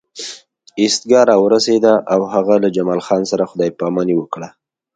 ایستګاه راورسېده او هغه له جمال خان سره خدای پاماني وکړه